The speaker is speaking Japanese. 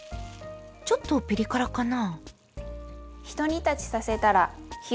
ちょっとピリ辛かな？